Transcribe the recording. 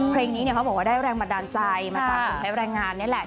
เพลงนี้เขาบอกว่าได้แรงบันดาลใจมาจากผู้ใช้แรงงานนี่แหละ